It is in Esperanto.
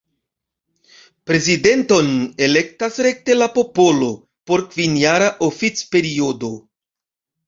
Prezidenton elektas rekte la popolo por kvinjara oficperiodo.